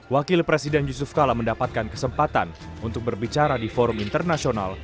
wakil presiden yusuf kala mendapatkan kesempatan untuk berbicara di forum internasional